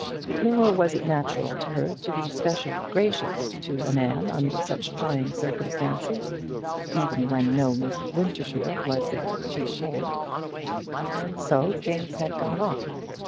Nor was it natural to her to be specially gracious to a man under such trying circumstances, even when no Mrs. Winterfield was there to behold. And so things had gone on.